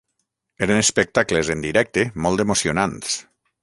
Eren espectacles en directe molt emocionants.